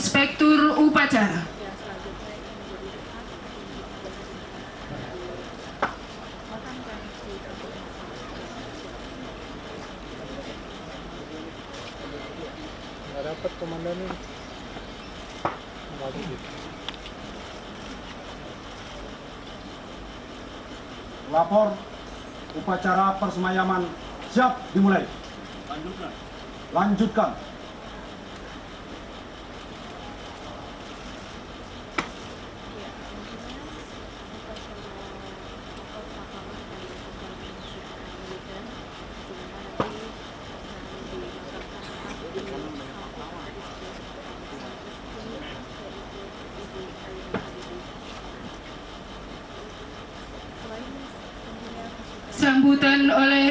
ketua makam pahlawan nasional